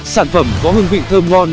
sản phẩm có hương vị thơm ngon